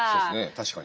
確かに。